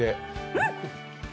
うん！